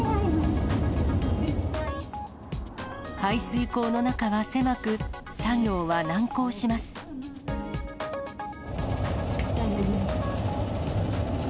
排水溝の中は狭く、作業は難大丈夫よ。